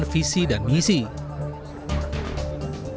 dan mengambil pengalaman visi dan misi